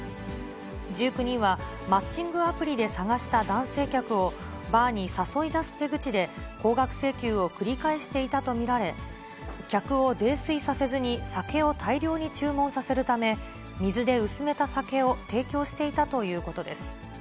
１９人はマッチングアプリで探した男性客をバーに誘い出す手口で、高額請求を繰り返していたと見られ、客を泥酔させずに酒を大量に注文させるため、水で薄めた酒を提供していたということです。